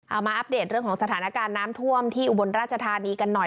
มาอัปเดตเรื่องของสถานการณ์น้ำท่วมที่อุบลราชธานีกันหน่อย